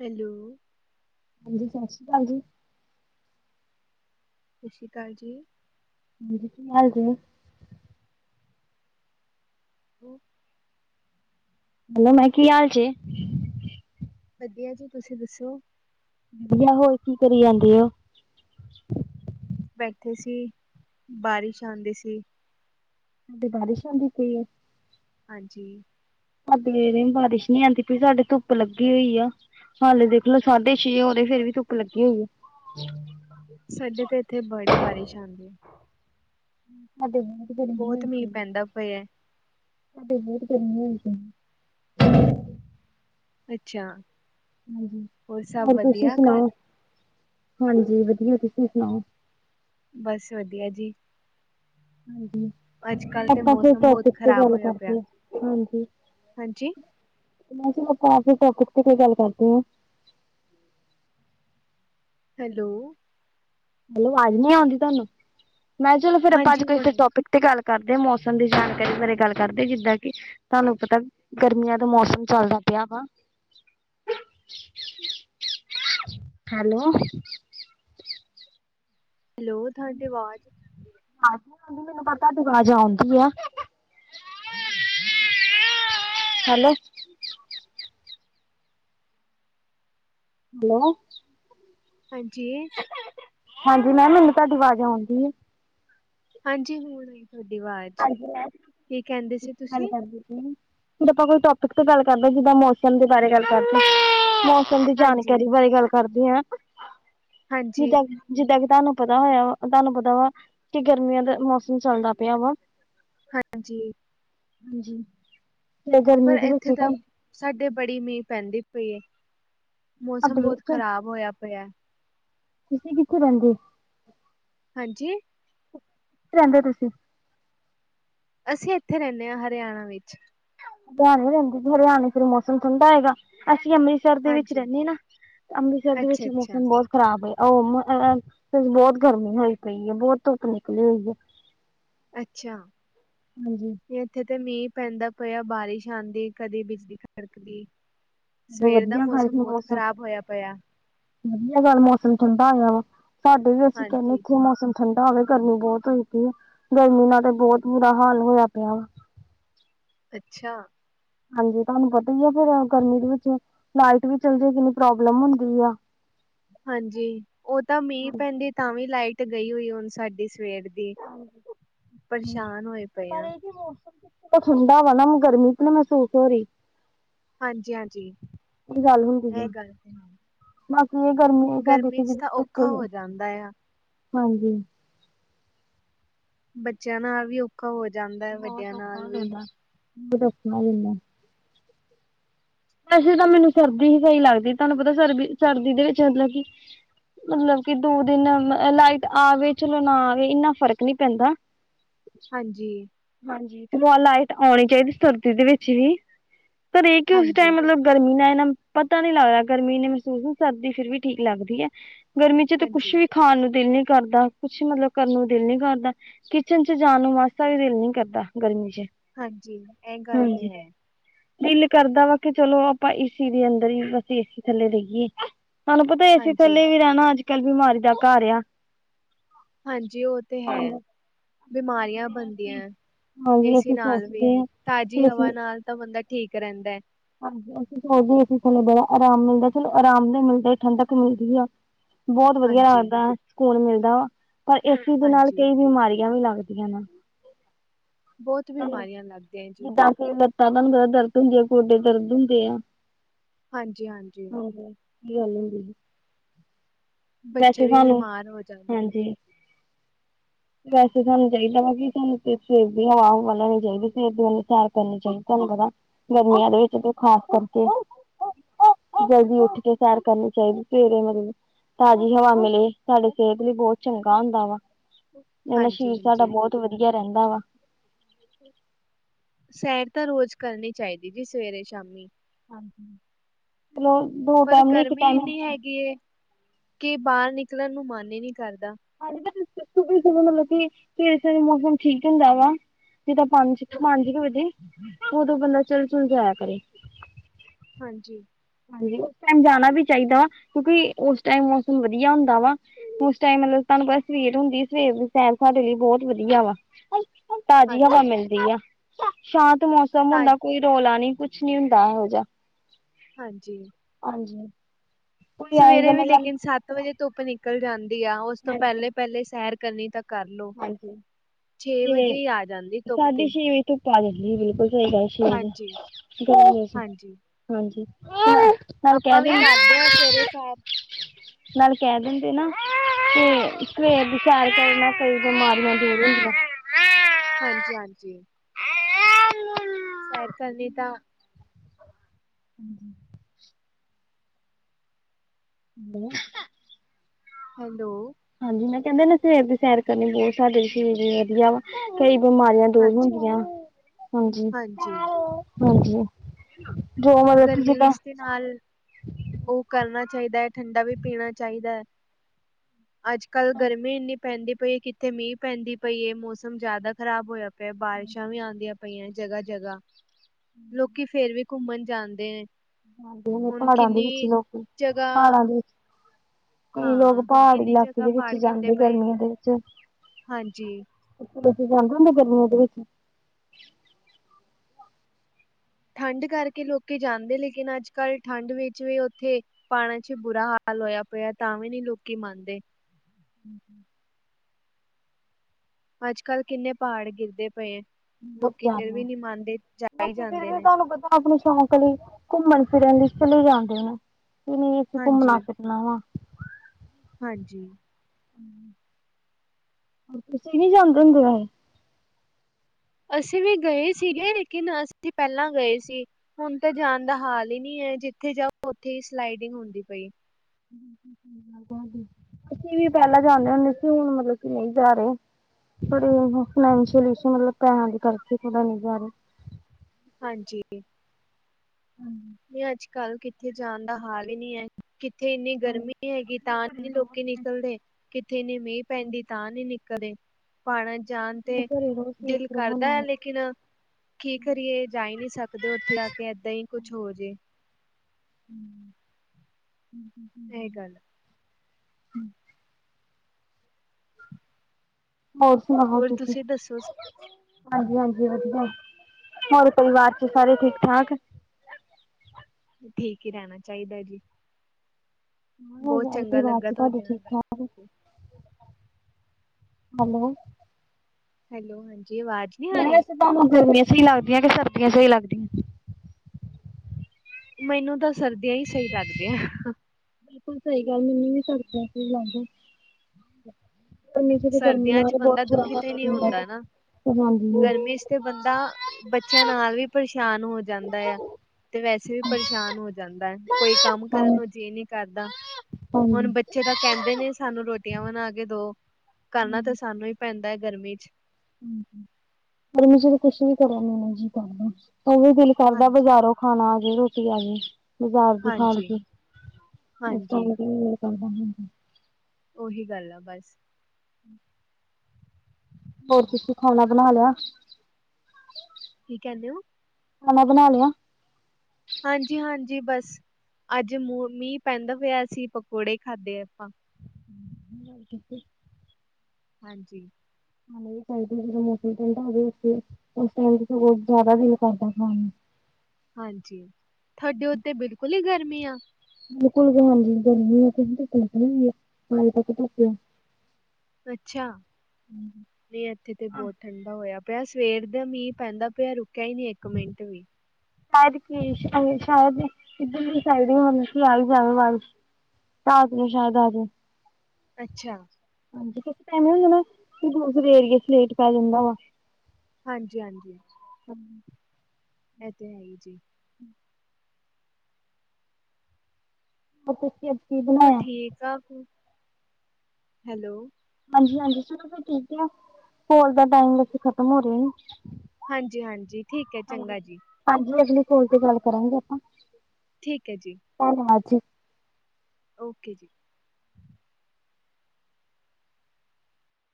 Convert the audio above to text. Hello ਹਾਂਜੀ ਸਤਿ ਸ਼੍ਰੀ ਅਕਾਲ ਜੀ ਸਤਿ ਸ਼੍ਰੀ ਅਕਾਲ ਜੀ ਕੀ ਹਾਲ ਜੈ [unintelligible] [unintelligible] ਕੀ ਹਾਲ ਜੈ ਵਧੀਆ ਜੀ ਤੁਸੀਂ ਦੱਸੋ ਵਧੀਆ ਹੋਰ ਕੀ ਕਰੀ ਜਾਂਦੇ ਹੋ ਬੈਠੇ ਸੀ ਬਾਰਿਸ਼ ਆਉਂਦੀ ਸੀ ਹ ਬਾਰਿਸ਼ ਹੁੰਦੀ ਤੇ ਹੈ ਹਾਂਜੀ ਸਾਡੀ ਵੇ ਬਾਰਿਸ਼ ਨਹੀਂੀ ਆਉਂਦੀ ਵੀ ਸਾਡੇ ਧੁੱਪ ਲੱਗੀ ਹੋਈ ਆ ਹਾਲ ਦੇਖਲੋ ਸਾਢੇ ਛੇ ਹੋਦੇ ਫੇਰ ਵੀ ਧੁੱਪ ਲੱਗੀ ਹੋਈ ਆ ਸਾਡੇ ਤੇ ਇੱਥੇ ਬੜੀ ਬਾਰਿਸ਼ ਆਉਂਦੀ ਹੈ ਹ [unintelligible] ਬਹੁਤ ਮੀਂਹ ਪੈਂਦਾ ਪਏ ਸਾ ਬਹੁਤ ਗਰਮੀ ਹੋਈ ਸੀ ਅੱਛਾ, ਹਾਂਜੀ। ਹੋਰ ਸਭ ਤੁਸੀਂ ਵਧੀਆ ਸੁਣਾਓ? ਘਰ? ਹਾਂਜੀ ਵਧੀਆ, ਤੁਸੀਂ ਸੁਣਾਓ? ਬਸ ਵਧੀਆ ਜੀ, ਹਾਂਜੀ, ਅੱਜ ਕੱਲ ਤੇ ਆਪਾਂ ਫਿਰ ਮੌਸਮ ਬਹੁਤ ਟੋਪਿਕ ਤੇ ਖ਼ਰਾਬ ਗੱਲ ਹੋਇਆ ਪਿਆ ਕਰਦੇ ਹਾ ਹਾਂਜੀ, ਹਾਂਜੀ ਮੈਂ ਕਿਹਾ ਆਪਾਂ ਆਪ ਟੋਪੀਕ ਤੇ ਗੱਲ ਕਰਦੇ ਹਾਂ। ਹੈਲੋ, ਚਲੋ ਆਵਾਜ਼ ਨੀ ਆਦੀ ਤੁਹਾਨੂੰ, ਮੈਂ ਕਿਹਾ ਚਲੋ ਫੇਰ ਆਪਾਂ ਹਾਂਜੀ ਹੁਣ ਅੱਜ ਆਈ। ਟੋਪਿਕ ਤੇ ਗੱਲ ਕਰਦੇ ਮੌਸਮ ਦੀ ਜਾਣਕਾਰੀ ਬਾਰੇ ਗੱਲ ਕਰਦੇ ਜਿੱਦਾਂ ਕਿ ਤੁਹਾਨੂੰ ਪਤਾ ਗਰਮੀਆਂ, ਦਾ ਮੌਸਮ ਚੱਲਦਾ ਪਿਆ ਵਾ ਹੈਲੋ, ਹੈਲੋ ਤੁਹਾਡੀ ਆਵਾਜ਼, ਆ ਆਦੀ ਮੈਨੂੰ ਪਤਾ ਵਾਜ਼ ਆਦੀ ਆ, ਹੈਲੋ, ਹੈਲੋ, ਹਾਂਜੀ, ਹਾਂਜੀ, ਮੈਮ ਮੈਨੂੰ ਤੁਹਾਡੀ ਆਵਾਜ਼ ਆਦੀ ਆ। ਹਾਂਜੀ, ਹੁਣ ਆਈ ਤੁਹਾਡੀ ਆਵਾਜ਼ ਕੀ ਕਹਿੰਦੇ ਹਾਂਜੀ, ਸੀ ਗੱਲ ਤੁਸੀਂ ਕਰਦੇ ਸੀ। ਫੇਰ ਆਪਾਂ ਕੋਈ ਟੋਪਿਕ ਤੇ ਗੱਲ ਕਰਦੇ ਆ, ਜਿੱਦਾਂ ਮੌਸਮ ਦੇ ਬਾਰੇ ਗੱਲ ਕਰਦੇ ਹਾ। ਦੀ ਹਾਂਜੀ ਜਾਣਕਾਰੀ ਬਾਰੇ ਗੱਲ ਕਰਦੀ ਹਾਂ ਹਾਂਜੀ ਜਿੱਦਾਂ। ਜਿੱਦਾਂ ਕਿ ਤੁਹਾਨੂੰ ਪਤਾ ਹੋਇਆ, ਵਾ ਤੁਹਾਨੂੰ ਪਤਾ ਵਾ ਕਿ ਗਰਮੀਆਂ ਦਾ ਮੌਸਮ ਚੱਲਦਾ ਪਿਆ ਵਾ ਹਾਂਜੀ ਹਾਂਜੀ ਤੇ ਪਰ ਗਰਮੀ ਦੇ ਵਿੱਚ ਇੱਥੇ ਤਾਂ, ਸਾਡੇ ਬੜੀ ਮੀਂਹ ਪੈਂਦੀ ਪਈ, ਮੌਸਮ ਅਗਲੇ ਬਹੁਤ ਖ਼ਰਾਬ ਹੋਇਆ ਪਿਆ। ਤੁਸੀ ਕਿਥੇ ਰਹਿੰਦੇ? ਹਾਂਜੀ, ਰਹਿੰਦੇ ਤੁਸੀਂ, ਅਸੀਂ ਇੱਥੇ ਰਹਿੰਦੇ ਹਾਂ ਹਰਿਆਣਾ ਵਿੱਚ ਹਰਿਆਣੇ ਰਹਿੰਦੇ ਸੀ, ਹਰਿਆਣੇ ਚਿਰ ਮੌਸਮ ਠੰਡਾ ਹੈਗਾ ਅਸੀਂ ਅਮ੍ਰਿਤ ਅੰਮਿਤਸਰ ਵਿੱਚ ਹਾਂਜੀ ਰਹਿੰਦੇ, ਨਾ ਅੰਮ੍ਰਿਤਸਰ ਦੇ ਅੱਛਾ ਵਿੱਚ ਅੱਛਾ ਮੌਸਮ ਬਹੁਤ ਖਰਾਬ ਹੋ ਉਹ ਬਹੁਤ ਗਰਮੀ ਹੋਈ ਪਈ ਹੈ, ਬਹੁਤ ਧੁੱਪ ਨਿਕਲੀ ਹੋਈ ਹੈ। ਅੱਛਾ, ਹਾਂਜੀ ਇੱਥੇ ਤਾਂ ਮੀਂਹ ਪੈਂਦਾ, ਪਇਆ ਬਾਰਿਸ਼ ਆਦੀ ਕਦੀ ਬਿਜਲੀ ਖੜਕਦੀ। ਸਵੇਰ ਦਾ ਵਧੀਆ ਗੱਲ ਸੀ ਮੌਸਮ ਬਹੁਤ ਖ਼ਰਾਬ ਹੋਇਆ ਪਿਆ। ਵਧੀਆ ਗੱਲ ਮੌਸਮ ਠੰਡਾ ਹੋਇਆ, ਵਾ ਸਾਡੇ ਵੀ ਅਸੀਂ ਕਹਿੰਦੇ ਹਾਂਜੀ ਇੱਥੇ ਮੌਸਮ ਠੰਡਾ ਹੋਵੇ ਗਰਮੀ ਬਹੁਤ ਹੋਈ ਪਈ, ਆ ਗਰਮੀ ਨਾਲ ਤੇ ਬਹੁਤ ਬੁਰਾ ਹਾਲ ਹੋਇਆ ਪਿਆ ਵਾ। ਅੱਛਾ, ਹਾਂਜੀ ਤੁਹਾਨੂੰ ਪਤਾ ਹੀ ਹੈ, ਫੇਰ ਗਰਮੀ ਦੇ ਵਿੱਚ ਲਾਈਟ ਵੀ ਚੱਲ ਜਾਏ ਕਿੰਨੀ ਪ੍ਰੋਬਲਮ ਹੁੰਦੀ ਆ। ਹਾਂਜੀ ਉਹ ਤਾਂ ਮੀਂਹ ਪੈਂਦੀ ਤਾਂ ਵੀ ਲਾਈਟ ਗਈ, ਹੋਈ ਹੁਣ ਸਾਡੀ ਸਵੇਰ ਦੀ, ਹੂੰ ਪਰੇਸ਼ਾਨ ਹੋਏ ਪਏ ਪਰ ਆ ਇਹ ਜੇ ਮੌਸਮ ਠੰਡਾ ਵਾ ਨਾ ਗਰਮੀ ਤੇ ਨਾ ਮਹਿਸੂਸ ਹੋ ਰਹੀ। ਹਾਂਜੀ, ਹਾਂਜੀ ਗੱਲ ਹੁੰਦੀ ਹੈ ਇਹ ਗੱਲ ਤੇ ਹੈ। ਬਾਕੀ ਇਹ ਗਰਮੀ ਸਾਡੇ ਚ ਤਾਂ ਔਖਾ ਹੋ ਹਾਂਜੀ। ਜਾਂਦਾ ਆ ਬੱਚਿਆਂ ਨਾਲ ਵੀ ਔਖਾ ਹੋ ਜਾਂਦਾ ਹੈ, ਵੱਡਿਆਂ ਨਾਲ ਵੀ ਉਹ ਦੱਸਣਾ ਜਨਾ। ਵੈਸੇ ਤਾਂ ਮੈਨੂੰ ਸਰਦੀ ਹੀ ਸਹੀ ਲੱਗਦੀ, ਤੁਹਾਨੂੰ ਪਤਾ ਸਰਦੀ ਸਰਦੀ ਦੇ ਵਿੱਚ ਮਤਲਬ ਕਿ ਮਤਲਬ ਕਿ ਦੋ ਦਿਨ ਲਾਈਟ ਆਵੇ ਚਲੋ, ਨਾ ਆਵੇ ਇੰਨਾ ਫ਼ਰਕ ਨਹੀਂ ਪੈਂਦਾ। ਹ [inaudible] ਹਾਂਜੀ, ਹਾਂਜੀ, ਤੇ ਬ ਲਾਈਟ ਆਉਣੀ ਚਾਹੀਦੀ ਸਰਦੀ ਦੇ ਵਿੱਚ ਵੀ ਪਰ ਇਹ ਕਿ ਟਾਈਮ ਹਾਂਜੀ ਮਤਲਬ ਗਰਮੀ ਨਾਲ ਇਹਨਾ ਪਤਾ ਨੀ ਲੱਗ ਰਿਦਾ ਗਰਮੀਨੇ ਮਹਿਸੂਸ ਸਰਦੀ ਫਿਰ ਵੀ ਠੀਕ ਲੱਗਦੀ ਹੈ। ਗਰਮੀ ਚ ਤਾਂ ਕੁਛ ਹਾਂਜੀ ਵੀ ਖਾਣ ਨੂੰ ਦਿਲ ਨੀ ਕਰਦਾ ਕੁਛ ਮਤਲਬ ਕਰਨ ਨੂੰ ਦਿਲ ਨੀ ਕਰਦਾ। ਕਿਚਨ ਚ ਜਾਣ ਨੂੰ ਮਾਸਾ ਵੀ ਦਿਲ ਨੀ ਕਰਦਾ ਗਰਮੀ ਚ। ਹਾਂਜੀ, ਇਹ ਗੱਲ ਤੇ ਹਾਂਜੀ। ਹੈ। ਦਿਲ ਕਰਦਾ ਵਾ ਕਿ ਚਲੋ ਆਪਾਂ ਏੀ ਦੇ ਅੰਦਰ ਹੀ ਬਸ ਏ ਥੱਲੇ ਰਹੀਏ। ਤੁਹਾਨੂੰ ਪਤਾ ਅਸੀ ਹਾਂਜੀ ਥੱਲੇ ਵੀ ਰਹਿਣਾ ਅੱਜ ਕੱਲ੍ਹ ਬਿਮਾਰੀ ਦਾ ਘਰ ਆ ਹਾਂਜੀ, ਉਹ ਤੇ ਹੈ ਬਿਮਾਰੀਆਂ ਬਣਦੀਆਂ। ਹਾਂਜੀ ਏਸੀ ਅਸੀਂ ਨਾਲ ਵੀ ਸੋਚਦੇ ਹਾਂ ਤਾਜ਼ੀ ਕਿ ਅਸੀਂ ਹਵਾ ਨਾਲ ਤਾਂ ਬੰਦਾ ਠੀਕ ਰਹਿੰਦਾ ਹੈ। ਹਾਂਜੀ, ਅ ਅਸੀਂ ਚੱਲੋ ਬੜਾ ਆਰਾਮ ਮਿਲਦਾ ਚਲੋ ਆਰਾਮ ਨਾਲ ਮਿਲਦਾ ਠੰਡਕ ਮਿਲਦੀ ਆ ਬਹੁਤ ਵਧੀਆ ਹਾਂਜੀ ਲੱਗਦਾ ਸਕੂਨ ਮਿਲਦਾ ਵਾ ਪਰ ਇਸ ਚੀਜ਼ ਦੇ ਨਾਲ ਹਾਂਜੀ ਕਈ ਬਿਮਾਰੀਆਂ ਵੀ ਲੱਗਦੀ। ਚ ਬਹੁਤ ਬਿਮਾਰੀਆਂ ਲੱਗਦੀਆਂ ਜੀ ਜਿੱਦਾਂ ਫ ਬੱਤਾ ਤੁਹਾਨੂੰ ਕਦਾ ਦਰਦ ਹੁੰਦੀ ਆ ਗੋਡੇ ਦਰਦ ਹੁੰਦੇ ਆ ਹਾਂਜੀ ਹਾਂਜੀ ਹ ਕੀ ਗੱਲ ਹੁੰਦੀ ਜੀ, ਵੈਸੇ ਬੱਚੇ ਵੀ ਸਾਨੂੰ ਬਿਮਾਰ ਹੋ ਜਾਂਦੇ ਹਾਂਜੀ। ਵੈਸੇ ਸਾਨੂੰ ਚਾਹੀਦਾ ਵਾ ਕਿ ਸਾਨੂੰ ਸਫ ਦੀ ਹਵਾ ਹਵਾ ਲੈਣੀ ਚਾਹੀਦੀ ਸਿਫਤ ਦੀ ਵੱਲ ਤਿਆਰ ਕਰਨੀ ਚਾਹੀਦੀ ਤੁਹਾਨੂੰ ਪਤਾ। ਗਰਮੀਆਂ ਦੇ ਵਿੱਚ ਤੇ ਖ਼ਾਸ ਕਰਕੇ। ਜਲਦੀ ਉੱਠ ਕੇ ਸੈਰ ਕਰਨੀ ਚਾਹੀਦੀ ਸਵੇਰੇ ਮਤਲਬ ਤਾਜ਼ੀ ਹਵਾ ਮਿਲੇ ਸਾਡੇ ਸਿਹਤ ਲਈ ਬਹੁਤ ਚੰਗਾ ਹੁੰਦਾ ਵਾ ਹਾਂਜੀ ਇਹਨਾਸ਼ੀਰ ਸਾਡਾ ਹਾਂਜੀ ਬਹੁਤ- ਤੋਂ ਵਧੀਆ ਰਹਿੰਦਾ ਵਾ। ਸੈਰ ਤਾਂ ਰੋਜ਼ ਕਰਨੀ ਚਾਹੀਦੀ ਜੀ ਸਵੇਰੇ ਸ਼ਾਮੀ। ਹਾਂਜੀੋ ਦੋ ਫੈਮਲੀ ਇੱਕ ਟਾਈਮਿੰਗ ਗ [unintelligible] ਕਿ ਬਾਹਰ ਨਿਕਲਣ ਨੂੰ ਮਨ ਹੀ ਨਹੀਂ ਕਰਦਾ। [unintelligible] ਮਤਲਬ ਕਿ ਸਵੇਰੇ ਸਵੇਰੇ ਮੌਸਮ ਠੀਕ ਹੁੰਦਾ ਵਾ ਜਦਾ ਪੰਜ ਪੰਜ ਕੇ ਵਜੇ ਉਦੋਂ ਬੰਦਾ ਚੱਲ ਚੁਲ ਜਾਇਆ ਕਰੇ। ਹਾਂਜੀ, ਹਾਂਜੀ ਉਸ ਟਾਈਮ ਜਾਣਾ ਵੀ ਚਾਹੀਦਾ ਵਾ ਕਿਉਂਕਿ ਉਸ ਟਾਈਮ ਮੌਸਮ ਵਧੀਆ ਹੁੰਦਾ ਵਾ ਉਸ ਟਾਈਮ ਮਤਲਬ ਤੁਹਾਨੂੰ ਪਤਾ ਸਵੇਰ ਹੁੰਦੀ ਸਵੇਰ ਦੀ ਸੈਰ ਸਾਡੇ ਲਈ ਬਹੁਤ ਵਧੀਆ ਵਾ। ਤਾਜ਼ੀ ਹਾਂਜੀ ਹਵਾ ਮਿਲਦੀ ਆ ਸ਼ਾਂਤ ਮੌਸਮ ਘੱਟ ਹੁੰਦਾ ਕੋਈ। ਰੋਲਾ ਨੀ ਕੁੱਛ ਨੀ ਹੁੰਦਾ ਇਹੋ ਜਿਹਾ ਹਾਂਜੀ, ਹਾਂਜੀ, ਕੋਈ ਇਹੋ ਜਿਹਾ ਸਵੇਰੇ ਵੀ ਮਤਲਬ ਲੇਕਿਨ ਸੱਤ ਵਜੇ ਧੁੱਪ ਨਿਕਲ ਜਾਂਦੀ ਆ ਉਸ ਤੋਂ ਪਹਿਲੇ ਪਹਿਲੇ ਸੈਰ ਕਰਨੀ ਤਾਂ ਕਰਲੋ ਛੇ ਵਜੇ ਹੀ ਤੇ ਆ ਜਾਂਦੀ ਧੁੱਪ ਸਾਢੇ ਤੇ ਛੇ ਵਜੇ ਧੁੱਪ ਆ ਜਾਂਦੀ ਸੀ ਬਿਲਕੁਲ ਸਹੀ ਗੱਲ ਹਾਂਜੀ ਸਵੇਰੇ ਹਾਂਜੀ ਹਾਂਜੀ ਨਾਲ ਆਪਾਂ ਵੀ ਕਹਿ ਕਰਦੇ ਹਾਂ ਸਵੇਰੇ ਸੈਰ ਨਾਲ ਕਹਿ ਦਿੰਦੇ ਨਾ। ਕਿ ਸਵੇਰ ਦੀ ਸੈਰ ਕਰਨ ਨਾਲ ਕਈ ਨਾ ਕਈ ਬਿਮਾਰੀਆਂ ਦੂਰ ਹੁੰਦੀਆਂ। ਹਾਂਜੀ ਹਾਂਜੀ ਸੈਰ ਕਰਨੀ ਤਾ [inaudible] [unintelligible] ਹੈਲੋ ਹਾਂਜੀ ਮੈਂ ਕਹਿੰਦੇ ਨਾ ਸਵੇਰ ਦੀ ਸੈਰ ਕਰਨੀ ਬਹੁਤ ਸਾਡੇ ਸਰੀਰ ਵਧੀਆ ਵਾ ਕਈ ਬਿਮਾਰੀ ਦੂਰ ਹਾਂਜੀ ਹੁੰਦੀਆਂ ਹਾਂਜੀ ਹਾਂਜੀ [unintelligible] ਗਰਮੀ ਜਿੱਦਾਂ ਵਿੱਚ ਦੇ ਨਾਲ ਉਹ ਕਰਨਾ ਚਾਹੀਦਾ ਹੈ ਠੰਡਾ ਵੀ ਪੀਣਾ ਚਾਹੀਦਾ ਹੈ। ਅੱਜ ਕੱਲ ਗਰਮੀ ਇੰਨੀ ਪੈਂਦੀ ਪਈ ਕਿੱਥੇ ਮੀਂਹ ਪੈਂਦੀ ਪਈ ਏ ਮੌਸਮ ਜਿਆਦਾ ਖ਼ਰਾਬ ਹੋਇਆ ਬਾਰਿਸ਼ਾਂ ਵੀ ਆਉਂਦੀਆਂ ਪਈਆਂ ਜਗ੍ਹਾ ਜਗ੍ਹਾ ਲੋਕੀ ਫੇਰ ਵੀ ਘੁੰਮਣ ਜਾਂਦੇ ਨੇ। ਜਾਂਦੇ ਨੇ ਹੁਣ ਪਹਾੜਾਂ ਦੇ ਕਿੰਨੀ ਵਿੱਚ ਲੋਕ ਜਗ੍ਹਾ ਪਹਾੜਾਂ ਦੇ ਵਿੱਚ ਕਈ ਲੋਕ ਹਾਂ ਪਹਾੜੀ ਕਿੰਨੀ ਇਲਾਕੇ ਜਗ੍ਹਾ ਦੇ ਵਿੱਚ ਪਾੜ ਕੀਤੇ ਜਾਂਦੇ ਪਏ ਗਰਮੀਆਂ ਦੇ ਵਿੱਚ ਹਾਂਜੀ ਤੁਸੀ ਕੀਤੇ ਜਾਂਦੇ ਹੁੰਦੇ ਗਰਮੀਆਂ ਦੇ ਵਿੱਚ ਠੰਢ ਕਰਕੇ ਲੋਕ ਜਾਂਦੇ ਲੇਕਿਨ ਅੱਜ ਕੱਲ੍ਹ ਠੰਡ ਵਿੱਚ ਵੀ ਉੱਥੇ ਪਹਾੜਾ ਚ ਬੁਰਾ ਹਾਲ ਹੋਇਆ ਪਇਆ ਤਾਂ ਵੀ ਨੀ ਲੋਕੀ ਮੰਨਦੇ। [inaudible] ਅੱਜ ਕੱਲ੍ਹ ਕਿੰਨੇ ਪਹਾੜ ਗਿਰਦੇ ਪਏ ਹੈ ਬਹੁਤ ਲੋਕੀ ਫੇਰ ਵੀ ਜ਼ਿਆਦਾ ਨੀ ਮੰਨ ਦੇ ਜਾ ਹੀ ਲੋਕੀ ਫਿਰ ਜਾਂਦੇ ਵੀ ਨੇ। ਤੁਹਾਨੂੰ ਪਤਾ ਆਪਣੇ ਸ਼ੌਕ ਲਈ ਘੁੰਮਣ ਫਿਰਨ ਲਈ ਚਲੇ ਜਾਂਦੇ ਨੇ ਕਿ ਨਹੀਂ ਅਸੀਂ ਘੁੰਮਣਾ ਹਾਂਜੀ ਫਿਰਨਾ ਵਾਂ। ਹਾਂਜੀ। ਤੁਸੀਂ ਨੀ ਜਾਂਦੇ ਹੁੰਦੇ ਵੈਹੇ। ਅਸੀਂ ਵੀ ਗਏ ਸੀਗੇ ਲੇਕਿਨ ਅਸੀਂ ਪਹਿਲਾਂ ਗਏ ਸੀ। ਹੁਣ ਤਾਂ ਜਾਣ ਦਾ ਹਾਲ ਹੀ ਨਹੀਂ ਹੈ ਜਿੱਥੇ ਜਾਓ ਉੱਥੇ ਹੀ ਸਲਾਈਡਿੰਗ ਹੁੰਦੀ ਪਈ। ਅਸੀਂ ਵੀ ਪਹਿਲਾਂ ਜਾਂਦੇ ਹੁੰਦੇ ਸੀ ਹੁਣ ਮਤਲਬ ਕੀ ਨਹੀਂ ਜਾ ਰਹੇ। ਥੋੜੀ ਫੈਨਸ਼ਲ ਈਸ਼ੂ ਮਤਲਬ ਪੈਹਾ ਦੇ ਕਰਕੇ ਥੋੜਾ ਨੀ ਜਾ ਰਹੇ। ਹਾਂਜੀ [inaudible] ਨੀ ਅੱਜ ਕੱਲ੍ਹ ਕਿੱਥੇ ਜਾਣ ਦਾ ਹਾਲ ਹੀ ਨਹੀਂ ਹੈ। ਕਿੱਥੇ ਇੰਨੀ ਗਰਮੀ ਹੈਗੀ ਤਾਂ ਨਹੀਂ ਲੋਕੀ ਨਿਕਲਦੇ। ਕਿਥੇ ਇੰਨੀ ਮੀਂਹ ਪੈਂਦੀ ਤਾਂ ਨੀ ਨਿਕਲਦੇ ਪਹਾੜਾ ਚ ਜਾਣ ਤੇ ਘਰੇ ਰਹੋ ਦਿਲ ਸੇਫ ਰਹੋ ਕਰਦਾ ਹੈ ਨਾਲ ਲੇਕਿਨ ਕੀ ਕਰੀਏ ਜਾ ਹੀ ਨਹੀਂ ਸਕਦੇ ਉੱਥੇ ਆ ਕੇ ਏਦਾਂ ਹੀ ਕੁਛ ਹੋ ਜੇ। ਹੂੰ ਹੂੰ। ਇਹੀ ਗੱਲ। ਹੋਰ ਸੁਣਾਓ ਹੋਰ ਤੁਸੀਂ। ਦੱਸੋ ਹਾਂਜੀ ਹਾਂਜੀ ਵਧੀਆ ਹੋਰ ਪਰਿਵਾਰ ਚ ਸਾਰੇ ਠੀਕ ਠਾਕ ਠੀਕ ਹੀ ਰਹਿਣਾ ਚਾਹੀਦਾ ਜੀ ਹਾਂ ਬਹੁਤ ਸਾਰੇ ਚੰਗਾ ਪਰਿਵਾਰ ਲੱਗਾ ਚ ਤੁਹਾਡੇ ਨਾਲ ਠੀਕ ਗੱਲ ਠਾਕ ਕਰਕੇ। ਹੈਲੋ ਹੈਲੋ ਹਾਂਜੀ ਆਵਾਜ਼ ਨਹੀਂ ਆ ਮੈਂ ਰਹੀ ਵੈਸੇ ਤੁਹਾਨੂੰ ਗਰਮੀਆਂ ਸਹੀ ਲੱਗਦੀਆਂ ਕਿ ਸਰਦੀਆਂ ਸਹੀ ਲੱਗਦੀਆਂ ਮੈਨੂੰ ਤਾਂ ਸਰਦੀਆਂ ਹੀ ਸਹੀ ਲੱਗਦੀਆਂ ਬਿਲਕੁਲ ਸਹੀ ਗੱਲ ਮੈਨਨੀ ਵੀ ਸਕਦੇ ਲੱਗ ਗਰਮੀ ਸਰਦੀਆਂ ਚ ਨਾਲ ਬਹੁਤ ਬੰਦਾ ਬੁਰਾ ਧੁਖੀ ਤੇ ਹਾਲ ਨਹੀਂ ਜੀ। ਹੁੰਦਾ ਨਾ ਹਾਂਜੀ ਗਰਮੀ ਚ ਤੇ ਬੰਦਾ ਬੱਚਿਆਂ ਨਾਲ ਵੀ ਪ੍ਰੇਸ਼ਾਨ ਹੋ ਜਾਂਦਾ ਆ ਤੇ ਵੈਸੇ ਵੀ ਪਰੇਸ਼ਾਨ ਹੋ ਜਾਂਦਾ ਹੈ ਕੋਈ ਕੰਮ ਹਾਂ ਕਰਨ ਨੂੰ ਜੇ ਨਹੀਂੀ ਕਰਦਾ ਹੁਣ ਹਾਂਜੀ ਬੱਚੇ ਤਾਂ ਕਹਿੰਦੇ ਨੇ ਸਾਨੂੰ ਰੋਟੀ ਟੀਆਂ ਬਣਾ ਕੇ ਦੋ ਕਰਨਾ ਤਾਂ ਸਾਨੂੰ ਹੀ ਪੈਂਦਾ ਹੈ ਗਰਮੀ ਚ ਪਰ ਮੈਂ ਜਦ ਕੁਛ ਵੀ ਕਰ ਨ ਜੀ ਕਰਨਾ ਉਹ ਵੀ ਦਿਲ ਕਰਦਾ ਹਾਂਜੀ ਬਾਜ਼ਾਰੋਂ ਖਾਣਾ ਆ ਗਏ ਰੋਟੀ ਆ ਗਏ ਬਾਜ਼ਾਰ ਦੀ ਖਾਣ ਹਾਂਜੀ ਕੇ ਹ ਹਾਂਜੀ [unintelligible] ਉਹੀ ਗੱਲ ਆ ਬਸ ਹੋਰ ਤੁਸੀਂ ਖਾਣਾ ਬਣਾ ਲਿਆ ਕੀ ਕਹਿੰਦੇ ਹੋ ਖਾਣਾ ਬਣਾ ਲਿਆ ਹਾਂਜੀ ਹਾਂਜੀ ਬਸ ਅੱਜ ਮ ਮੀਂਹ ਪੈਂਦਾ ਹੋਇਆ ਸੀ ਪਕੌੜੇ ਖਾਧੇ ਆਪਾਂ ਗੱਲ ਕੀਤੀ ਹਾਂਜੀ ਹ ਵੀ ਚਾਹੀ ਜਦੋਂ ਮੌਸਮ ਤੇਿੰਡਵੇਥੇ ਉਸ ਟਾਈਮ ਸ ਜ਼ਿਆਦਾ ਦਿਲ ਕਰਦਾ ਖਾ ਹਾਂਜੀ ਤੁਹਾਡੇ ਉੱਤੇ ਬਿਲਕੁਲ ਹੀ ਗਰਮੀ ਆ ਬਿਲਕੁਲ ਹਾਂਜੀ ਗਰਮੀ [unintelligible] ਗੱਲਮੀ ਆ ਆ ਹਾਂ, ਅ ਅੱਛਾ ਨਹੀਂ ਇੱਥੇ ਤੇ ਬਹੁਤ ਠੰਡਾ ਹੋਇਆ ਪਿਆ ਸਵੇਰ ਦਾ ਮੀਂਹ ਪੈਂਦਾ ਪਿਆ ਰੁਕਿਆ ਹੀ ਨਹੀਂ ਇੱਕ ਮਿੰਟ ਵੀ ਸ਼ਾਇਦ ਕੀ ਸ਼ਾਇਦ ਇੱਧਰ ਦੀ ਸਾਈਡ ਹੀ ਹਮ ਕਿ ਆਈ ਜਾਵੇ ਵ ਰਾਤ ਨੂੰ ਸ਼ਾਇਦ ਆਜੇ ਅੱਛਾ, ਹਾਂਜੀ [unintelligible] ਤੁ ਟਵੇਂ ਹੁੰਦੇ ਨਾ ਵੀ ਦੂਸਰੇ ਏਰੀਏ ਚ ਲੇਟ ਪੈ ਜਾਂਦਾ ਵਾ ਹਾਂਜੀ ਹਾਂਜੀ, ਹੂੰ, ਇ ਤੇ ਹੈ ਹੀ ਜੀ, ਉਹ ਕੁ [unintelligible] ਚਲੋ ਠੀਕ ਆ ਫੇਰ ਹੈਲੋ, ਹਾਂਜੀ ਹਾਂਜੀ ਚਲੋ ਫ ਠੀਕ ਆ ਕੋਲ ਦਾ ਟਾਈਮਥੇ ਖਤਮ ਹੋ ਰਹੇ ਨੇ ਹਾਂਜੀ ਹਾਂਜੀ ਠੀਕ, ਹੈ ਹਾਂਜੀ ਚੰਗਾ ਜੀ ਹਾਂਜੀ ਅਗਲੀ ਕੋਲ ਤੇ ਗੱਲ ਕਰਾਂਗੇ ਆਪਾਂ। ਠੀਕ ਹੈ ਜੀ। ਹੋਰ ਸੁਣਾਓ ਜੀ ਓਕੇ ਜੀ,